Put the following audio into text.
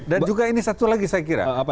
dan juga ini satu lagi saya kira